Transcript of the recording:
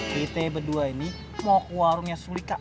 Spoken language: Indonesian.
kita berdua ini mau ke warungnya sulika